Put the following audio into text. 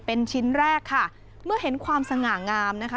เป็นชิ้นแรกค่ะเมื่อเห็นความสง่างามนะคะ